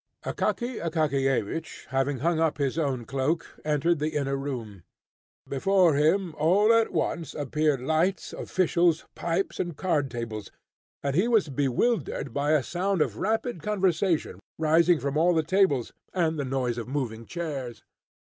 Akaky Akakiyevich, having hung up his own cloak, entered the inner room. Before him all at once appeared lights, officials, pipes, and card tables, and he was bewildered by a sound of rapid conversation rising from all the tables, and the noise of moving chairs.